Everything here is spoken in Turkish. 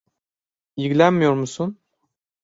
İlgilenmiyor musun?